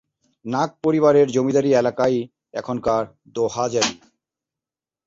নাগ পরিবারের জমিদারী এলাকাই এখনকার "দোহাজারী"।